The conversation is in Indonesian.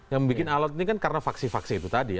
yang membuat alat ini kan karena vaksi vaksi itu tadi